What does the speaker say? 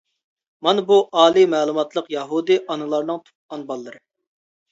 مانا بۇ ئالىي مەلۇماتلىق يەھۇدىي ئانىلارنىڭ تۇغقان بالىلىرى.